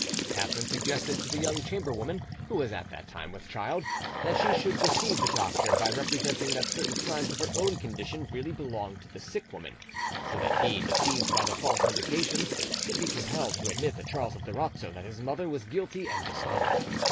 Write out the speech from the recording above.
Catherine suggested to the young chamberwoman, who was at that time with child, that she should deceive the doctor by representing that certain signs of her own condition really belonged to the sick woman, so that he, deceived by the false indications, should be compelled to admit to Charles of Durazzo that his mother was guilty and dishonoured.